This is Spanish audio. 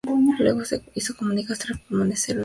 Luego se hizo comunista tras permanecer en prisión.